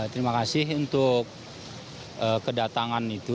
terima kasih untuk kedatangan itu